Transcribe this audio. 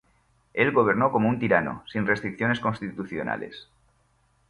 Él gobernó como un tirano, sin restricciones constitucionales.